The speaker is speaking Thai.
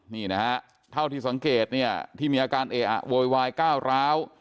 นี่นะฮะเท่าที่สังเกตเนี่ยที่มีอาการเออะโวยวายก้าวร้าว